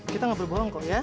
kita gak boleh bohong kok ya